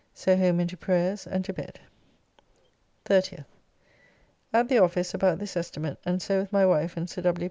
So home and to prayers, and to bed. 30th. At the office about this estimate and so with my wife and Sir W.